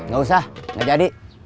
gak usah gak jadi